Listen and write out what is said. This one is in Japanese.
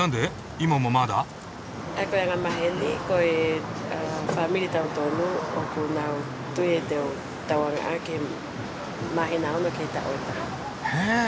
今もまだ？へ。